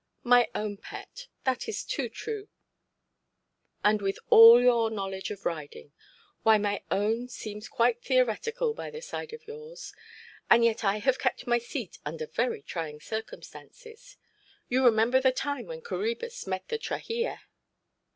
"My own pet, that is too true. And with all your knowledge of riding! Why, my own seems quite theoretical by the side of yours. And yet I have kept my seat under very trying circumstances. You remember the time when Coræbus met the trahea"?